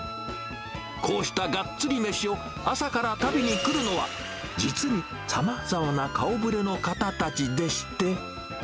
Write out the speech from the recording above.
こうしたがっつり飯を朝から食べに来るのは、実に、さまざまな顔ぶれの方たちでして。